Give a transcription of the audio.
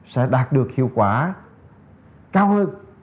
sẽ đạt được hiệu quả cao hơn